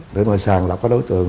để mà sàn lập các đối tượng